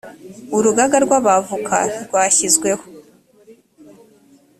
urugaga rw abavoka rwa shyizweho